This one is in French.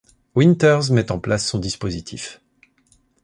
Winters met en place son dispositif.